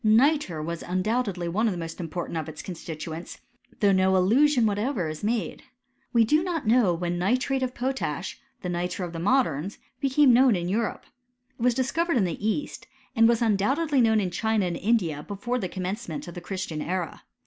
Nitre was undoubt edly one of the most important of its constituents ; though no allusion whatever is ever made. We do not know when nitrate of potash, the nitre of the moderns, became known in Europe. It was discovered in the east ; and was undoubtedly known in China and India before the commencement of the Christian era.